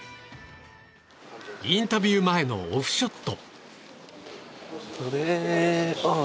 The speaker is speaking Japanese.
インタビュー前のオフショット。